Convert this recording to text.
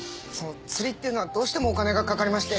釣りっていうのはどうしてもお金がかかりまして。